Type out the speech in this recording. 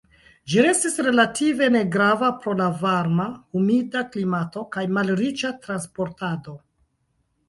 Ĝi restis relative negrava pro la varma, humida klimato kaj malriĉa transportado.